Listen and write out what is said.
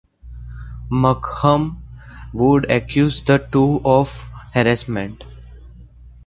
Markham would accuse the two of harassment.